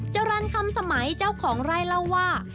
จรรคำสมัยเจ้าของรายละว่า